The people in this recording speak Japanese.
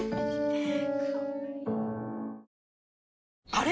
あれ？